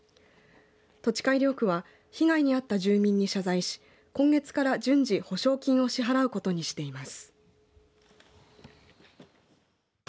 土地改良区は被害に遭った住民に謝罪し今月から順次を補償金を支払うことにしています。